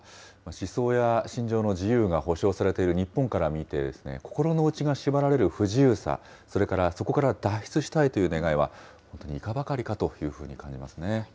思想や信条の自由が保障されている日本から見て、心の内が縛られる不自由さ、それからそこから脱出したいという願いは、本当にいかばかりかというふうに感じますね。